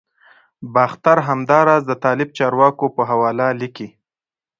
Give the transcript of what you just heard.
باختر همداراز د طالب چارواکو په حواله لیکلي